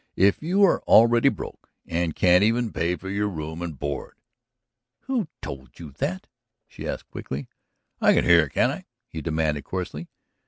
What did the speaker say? If you are already broke and can't even pay for your room and board ..." "Who told you that?" she asked quickly. "I can hear, can't I?" he demanded coarsely.